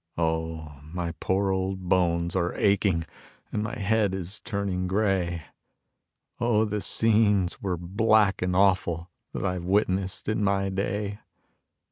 Oh, my poor old bones are aching and my head is turning gray; Oh, the scenes were black and awful that I've witnessed in my day.